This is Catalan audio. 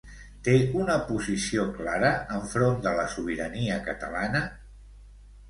Té una posició clara enfront de la sobirania catalana?